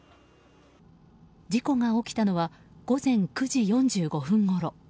事故が起きたのは午前９時４５分ごろ。